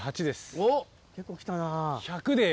おっ結構来たな。